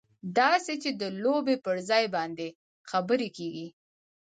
داسې چې د لوبې پر ځای باندې خبرې کېږي.